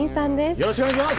よろしくお願いします。